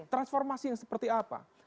transformasi yang seperti apa